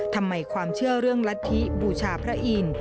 ทำไมความเชื่อเรื่องลัทธิบูชาพระอิน